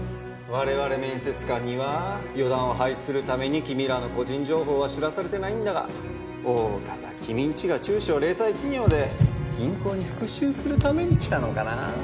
我々面接官には予断を排するために君らの個人情報は知らされてないんだが大方君んちが中小零細企業で銀行に復讐するために来たのかな？